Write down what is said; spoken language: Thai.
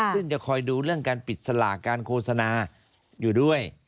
ซึ่งจะคอยดูเรื่องการปิดสลากการโฆษณาอยู่ด้วย